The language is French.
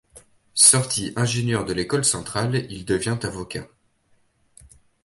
Sorti ingénieur de l'École centrale, il devient avocat.